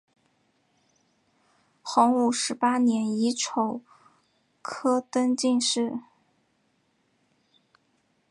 洪武十八年乙丑科登进士。